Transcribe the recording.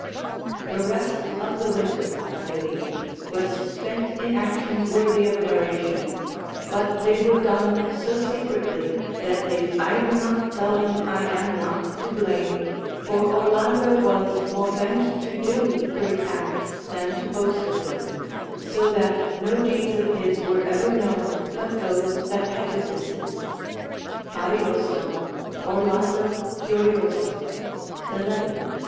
["The rest of the winter, I believe, was spent in actions worthy of narration, but they were done so secretly that if I do not tell them I am not to blame, for Orlando was more bent to do great acts than to boast of them, so that no deeds of his were ever known but those that had witnesses." Ariosto, Orlando Furioso, xi.